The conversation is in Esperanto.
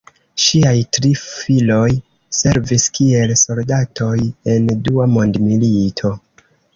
Ŝiaj tri filoj servis kiel soldatoj en Dua mondmilito.